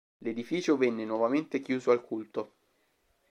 L'edificio venne nuovamente chiuso al culto.